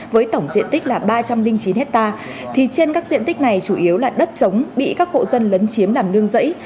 với tổng diện tích là ba trăm linh chín hectare thì trên các diện tích này chủ yếu là đất trống bị các hộ dân lấn chiếm làm nương rẫy